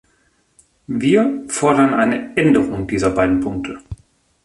Wir fordern eine Änderung dieser beiden Punkte.